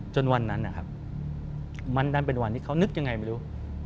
จนวันนั้นนะครับมันดันเป็นวันที่เขานึกยังไงไม่รู้